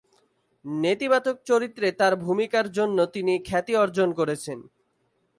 নেতিবাচক চরিত্রে তাঁর ভূমিকার জন্য তিনি খ্যাতি অর্জন করেছেন।